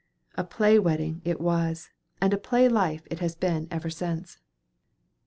"A play wedding" it was; and a play life it has been ever since.